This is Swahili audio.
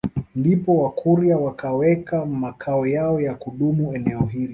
Ndipo wakurya wakaweka makao yao ya kudumu eneo hilo